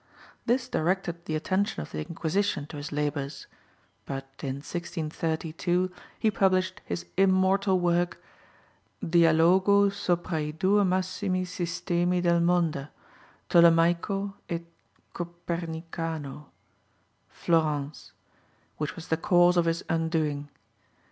This directed the attention of the Inquisition to his labours, but in 1632 he published his immortal work Dialogo sopra i due Massimi Sistemi del monda, Tolemaico et Copernicano (Florence), which was the cause of his undoing.